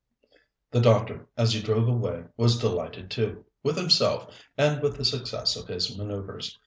The doctor, as he drove away, was delighted too, with himself and with the success of his manoeuvres.